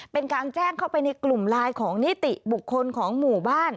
เป็นการแจ้งเข้าไปในกลุ่มไลน์ของนิติบุคคลของหมู่บ้าน